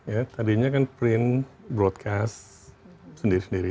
ya tadinya kan print broadcast sendiri sendiri